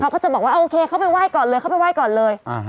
เขาก็จะบอกว่าโอเคเข้าไปไห้ก่อนเลยเข้าไปไห้ก่อนเลย